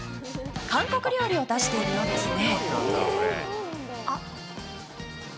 韓国料理を出しているようですね。